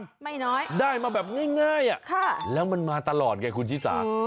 ๓๐๐๐ถึง๕๐๐๐ได้มาแบบง่ายอ่ะแล้วมันมาตลอดไงคุณชิสา